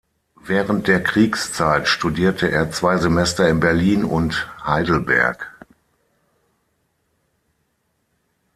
Während der Kriegszeit studierte er zwei Semester in Berlin und Heidelberg.